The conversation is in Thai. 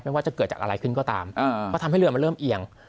ว่าจะเกิดจากอะไรขึ้นก็ตามก็ทำให้เรือมันเริ่มเอียง